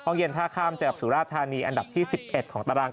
เย็นท่าข้ามเจอกับสุราธานีอันดับที่๑๑ของตาราง